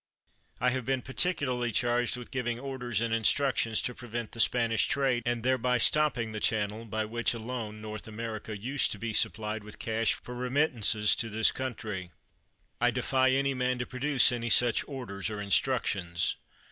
I have been particularly charged with giving orders and instructions to prevent the Spanish trade, and thereby stopping the channel by which alone North Ajnerica used to be supplied with cash for remittances to this country. I defy any man to produce any such orders or instructions.